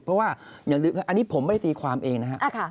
เพราะว่าอย่าลืมอันนี้ผมไม่ได้ตีความเองนะครับ